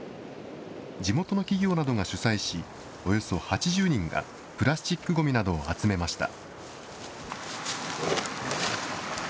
地元の企業などが主催し、およそ８０人がプラスチックごみなどを集めました。